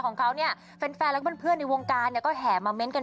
ขึ้นมาแล้วค่ะ